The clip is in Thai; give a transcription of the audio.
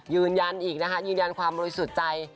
ยืนยันความบริสุทธิ์ใจ